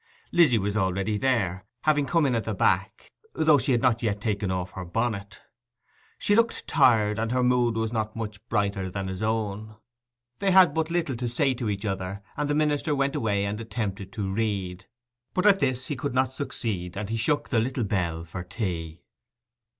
Lizzy was already there, having come in at the back, though she had not yet taken off her bonnet. She looked tired, and her mood was not much brighter than his own. They had but little to say to each other; and the minister went away and attempted to read; but at this he could not succeed, and he shook the little bell for tea.